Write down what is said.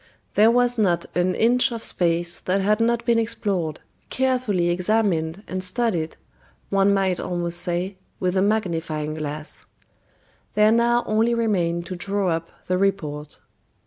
There was not an inch of space that had not been explored, carefully examined and studied, one might almost say, with a magnifying glass. There now only remained to draw up the report.